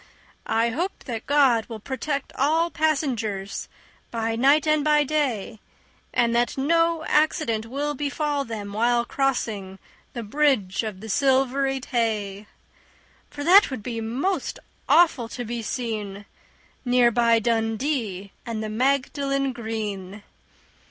I hope that God will protect all passengers By night and by day, And that no accident will befall them while crossing The Bridge of the Silvery Tay, For that would be most awful to be seen Near by Dundee and the Magdalen Green.